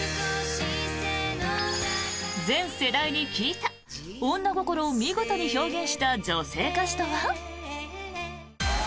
全世代に聞いた女心を見事に表現した女性歌手とは？